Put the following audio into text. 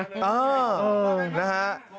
อ้าวนะฮะ